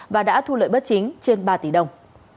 và đã thu lợi bất chính trên ba tỷ đồng